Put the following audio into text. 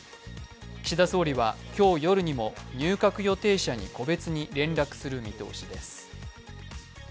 岸田総理は今日夜にも入閣予定者に個別に連絡する見通しです。